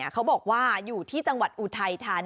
เขาบอกว่าอยู่ที่จังหวัดอุทัยธานี